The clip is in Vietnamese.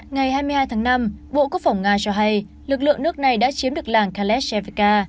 ngày hai mươi hai tháng năm bộ quốc phòng nga cho hay lực lượng nước này đã chiếm được làng kalesevaka